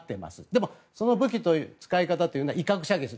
でもその武器の使い方は威嚇射撃です。